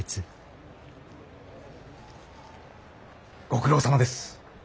ご苦労さまです。